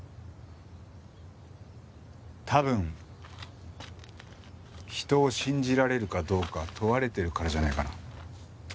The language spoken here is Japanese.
多分人を信じられるかどうか問われてるからじゃないかな？